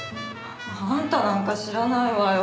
あんたなんか知らないわよ。